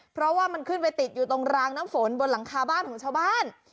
เพราะว่ามันขึ้นไปติดอยู่ตรงรางน้ำฝนบนหลังคาบ้านของชาวบ้าน